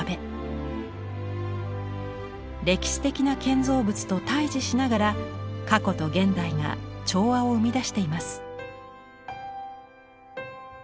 歴史的な建造物と対峙しながら過去と現代が調和を生み出しています。